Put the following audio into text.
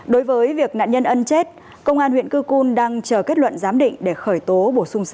đối với việc nạn nhân ân chết công an huyện cư cun đang chờ kết luận giám định để khởi tố bổ sung